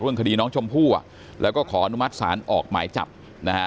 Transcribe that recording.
คดีน้องชมพู่อ่ะแล้วก็ขออนุมัติศาลออกหมายจับนะฮะ